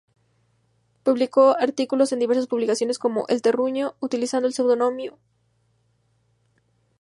Publicó artículos en diversas publicaciones como "El Terruño" utilizando el seudónimo "Rosendo Aldao".